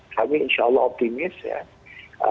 kami insya allah optimis ya